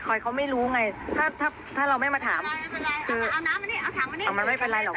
ค่อยเขาไม่รู้ไงถ้าเราไม่มาถามคือมันไม่เป็นไรหรอก